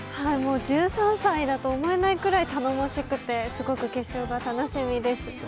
１３歳だと思えないくらい頼もしくて、すごく決勝が楽しみです。